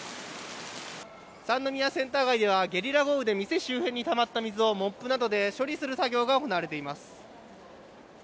三宮センター街ではゲリラ豪雨で店周辺にたまった水をモップなどで処理する作業が行われています。